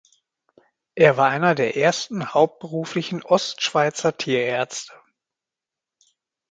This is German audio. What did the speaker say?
Er war einer der ersten hauptberuflichen Ostschweizer Tierärzte.